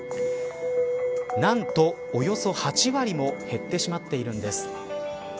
何と、およそ８割も減ってしまっているんです。